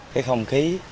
cái không khí